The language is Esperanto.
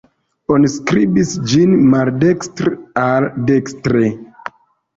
Oni skribis ĝin maldekstr-al-dekstre.